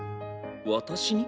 私に？